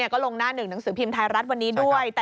ก็ลงหน้าหนึ่งหนังสือพิมพ์ไทยรัฐวันนี้ด้วย